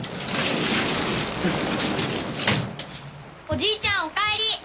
おじいちゃんお帰り。